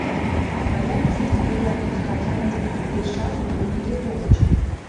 Баяліся яе адпускаць адну, увесь час былі недзе побач.